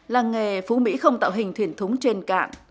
làng nghề phú mỹ không tạo hình thuyền thúng trên cạn